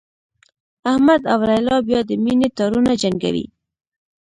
احمد او لیلا بیا د مینې تارونه جنګوي